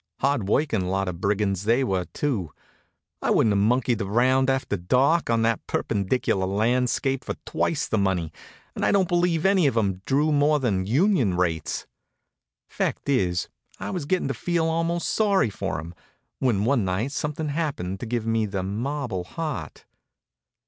Hard working lot of brigands they were, too. I wouldn't have monkeyed around after dark on that perpendicular landscape for twice the money, and I don't believe any of 'em drew more than union rates. Fact is, I was getting to feel almost sorry for 'em, when one night something happened to give me the marble heart.